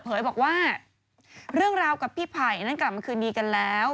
เผยบอกว่าเรื่องราวกับพี่ไผ่นั้นกลับมาคืนดีกันแล้ว